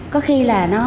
có khi là